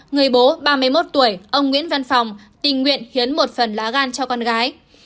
người bố ba mươi một tuổi ông nguyễn văn phòng tình nguyện hiến một phần lá gan cho con gái